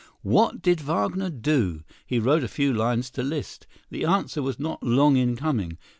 What did Wagner do? He wrote a few lines to Liszt. The answer was not long in coming.